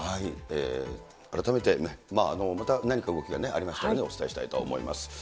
改めてまた何か動きがありましたら、お伝えしたいと思います。